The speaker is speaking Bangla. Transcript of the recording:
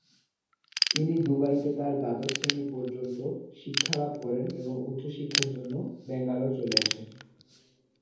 তিনি দুবাইতে তাঁর দ্বাদশ শ্রেণি পর্যন্ত শিক্ষালাভ করেন এবং উচ্চ শিক্ষার জন্য ব্যাঙ্গালোর চলে আসেন।